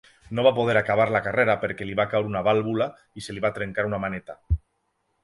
No va poder acabar la carrera perquè li va caure una vàlvula i se li va trencar una maneta.